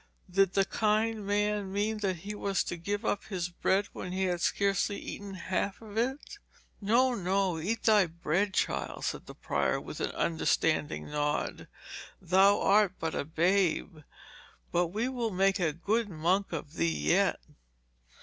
Did the kind man mean that he was to give up his bread when he had scarcely eaten half of it? 'No, no; eat thy bread, child,' said the prior, with an understanding nod. 'Thou art but a babe, but we will make a good monk of thee yet.'